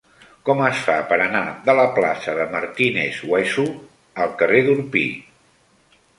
Com es fa per anar de la plaça de Martínez Hueso al carrer d'Orpí?